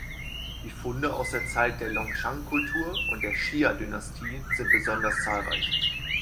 Die Funde aus der Zeit der Longshan-Kultur und der Xia-Dynastie sind besonders zahlreich.